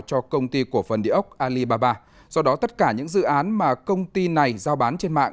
cho công ty cổ phần địa ốc alibaba do đó tất cả những dự án mà công ty này giao bán trên mạng